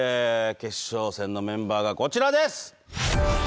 決勝戦のメンバーがこちらです。